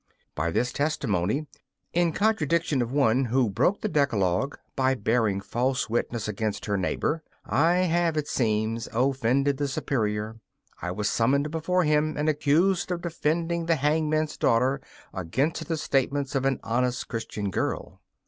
By this testimony, in contradiction of one who broke the Decalogue by bearing false witness against her neighbour I have, it seems, offended the Superior. I was summoned before him and accused of defending the hangman's daughter against the statements of an honest Christian girl.